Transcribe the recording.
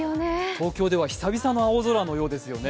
東京では久々の青空のようですよね。